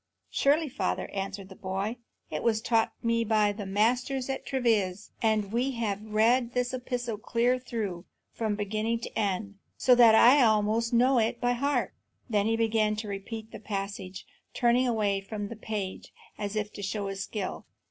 "Surely, father," answered the boy; "it was taught me by the masters at Treves; and we have read this epistle clear through, from beginning to end, so that I almost know it by heart." Then he began again to repeat the passage, turning away from the page as if to show his skill.